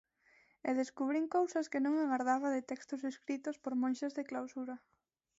E descubrín cousas que non agardaba de textos escritos por monxas de clausura.